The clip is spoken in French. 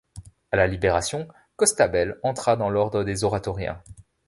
À la Libération, Costabel entra dans l'ordre des oratoriens.